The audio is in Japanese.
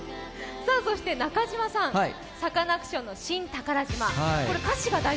そして中島さん、サカナクションの「新宝島」